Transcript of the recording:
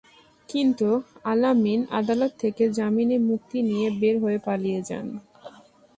কিন্তু আল-আমিন আদালত থেকে জামিনে মুক্তি নিয়ে বের হয়ে পালিয়ে যান।